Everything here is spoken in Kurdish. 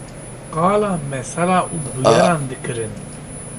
Qala mesela û bûyeran dikirin